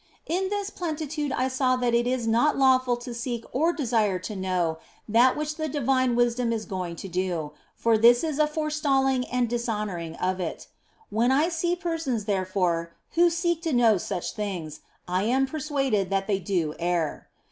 In this plenitude I saw that it is not lawful to seek or desire to know that which the divine wisdom is going to do, for this is a forestalling and dishonouring of it. When I see persons, therefore, who seek to know such things, I am persuaded that they do err.